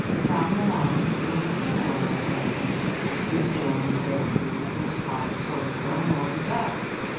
Down the line there was a similar occurrence. The Truesdale repair crew was caught at Sawyerville and ordered back.